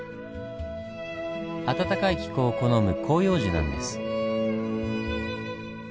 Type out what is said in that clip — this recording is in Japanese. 暖かい気候を好む広葉樹なんです。